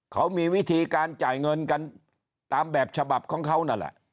เขามีวิธีการจ่ายเงินกันตามแบบฉบับของเขานั่นแหละ